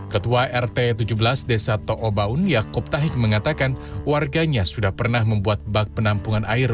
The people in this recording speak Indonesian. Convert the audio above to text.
ketua rt tujuh belas desa ⁇ toobaun ⁇ yaakob tahik mengatakan warganya sudah pernah membuat bak penampungan air